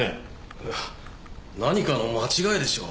いや何かの間違いでしょう。